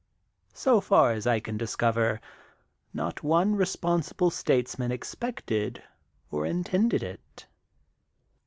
So far as I can dis cover not one responsible statesman expected or intended it.